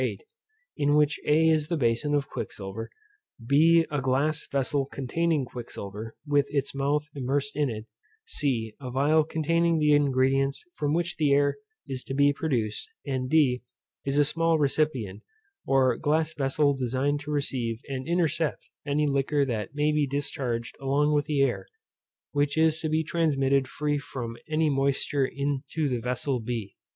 8, in which a is the bason of quicksilver, b a glass vessel containing quicksilver, with its mouth immersed in it, c a phial containing the ingredients from which the air is to be produced; and d is a small recipient, or glass vessel designed to receive and intercept any liquor that may be discharged along with the air, which is to be transmitted free from any moisture into the vessel b.